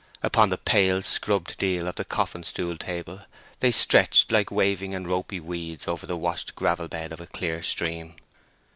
Upon the pale scrubbed deal of the coffin stool table they stretched like waving and ropy weeds over the washed gravel bed of a clear stream.